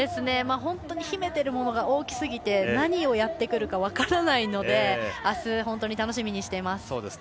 本当に秘めているものが大きすぎて何をやってくるか分からないのであす、本当に楽しみにしています。